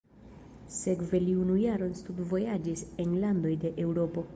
Sekve li unu jaron studvojaĝis en landoj de Eŭropo.